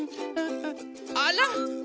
あら！